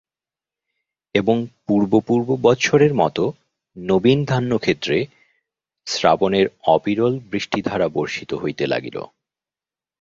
এবং পূর্ব পূর্ব বৎসরের মতো নবীন ধান্যক্ষেত্রে শ্রাবণের অবিরল বৃষ্টিধারা বর্ষিত হইতে লাগিল।